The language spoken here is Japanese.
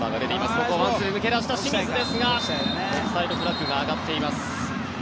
ここはワンツー抜け出した清水ですがオフサイドフラッグが上がっています。